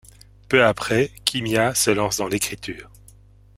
Peu après, Kimia se lance dans l'écriture.